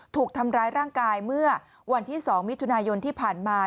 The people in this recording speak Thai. ถูกทำร้ายร่างกายเมื่อวันที่๒มิถุนายนที่ผ่านมา